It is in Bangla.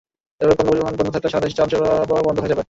এভাবে পণ্য পরিবহন বন্ধ থাকলে সারা দেশে চাল সরবরাহ বন্ধ হয়ে যাবে।